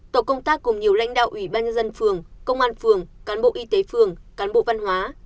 tổ công tác cùng nhiều lãnh đạo ủy ban nhân dân phường công an phường cán bộ y tế phường cán bộ văn hóa